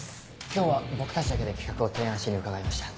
今日は僕たちだけで企画を提案しに伺いました。